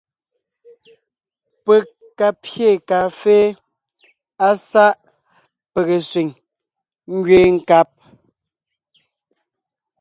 Pege ka pyé kàafé á sáʼ pege sẅiŋ ngẅeen nkab.